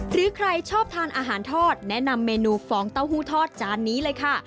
หรือใครชอบทานอาหารทอดแนะนำเมนูฟองเต้าหู้ทอดจานนี้เลยค่ะ